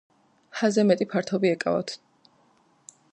ჰა-ზე მეტი ფართობი ეკავათ.